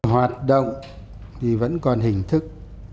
hoạt động thì vẫn còn hình thức